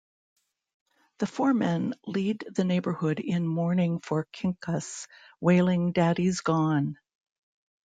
The four men lead the neighborhood in mourning for Quincas, wailing Daddy's gone!